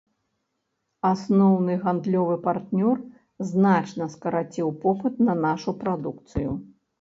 Асноўны гандлёвы партнёр значна скараціў попыт на нашу прадукцыю.